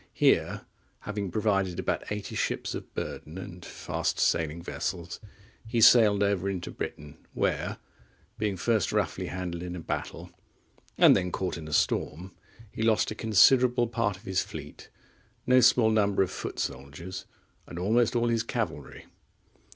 Here, having provided about eighty ships of burden and fast sailing vessels, he sailed over into Britain; where, being first roughly handled in a battle, and then caught in a storm, he lost a considerable part of his fleet, no small number of foot soldiers, and almost all his cavalry.